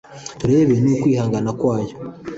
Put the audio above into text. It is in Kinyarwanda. turebe n'ukwihangana kwayo